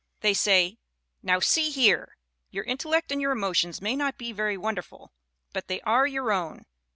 They say: "Now, see here! Your intellect and your emotions may not be very wonderful but they are your own.